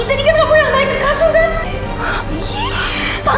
ih tadi kan kamu yang naik ke kasur kan